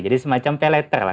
jadi semacam pay letter lah